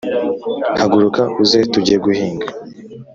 Haguruka uze tujye guhinga